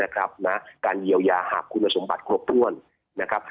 การเยียวยาหากคุณสมบัติครบถ้วนนะครับ